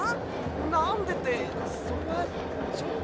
なんでってそれはちょっと。